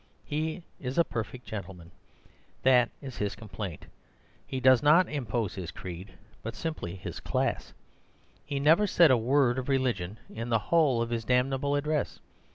He is a perfect gentleman; that is his complaint. He does not impose his creed, but simply his class. He never said a word of religion in the whole of his damnable address.